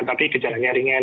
tapi kejalannya ringan